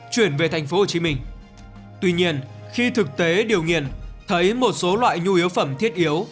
tuy nhiên khi thực tế điều nghiện thấy một số loại nhu yếu phẩm thiết yếu